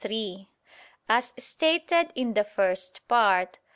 3: As stated in the First Part (Q.